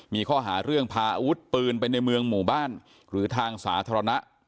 มีข้อหาเรื่องพาอาวุธปืนไปในเมืองหมู่บ้านหรือทางสาธารณะ